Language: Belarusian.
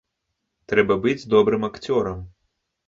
Трэба быць добрым акцёрам.